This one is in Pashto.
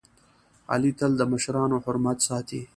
علي تل د مشرانو حرمت ساتي.